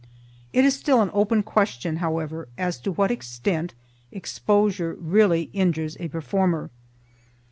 It is still an open question, however, as to what extent exposure really injures a performer.